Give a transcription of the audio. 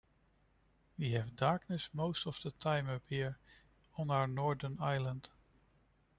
We have darkness most of the time up here, on our northern island.